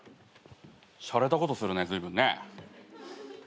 しゃれたことするねずいぶんね。